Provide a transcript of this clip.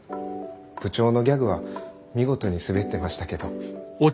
部長のギャグは見事にすべってましたけど。